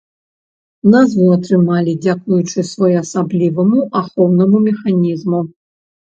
Назву атрымалі дзякуючы своеасабліваму ахоўнаму механізму.